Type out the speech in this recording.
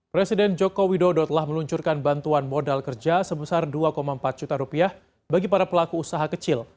presiden joko widodo telah meluncurkan bantuan modal kerja sebesar dua empat juta rupiah bagi para pelaku usaha kecil